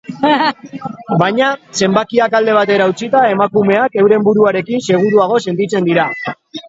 Baina zenbakiak alde batera utzita, emakumeak euren buruarekin seguruago sentitzen dira.